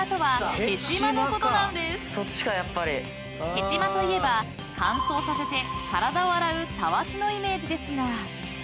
［ヘチマといえば乾燥させて体を洗うたわしのイメージですが］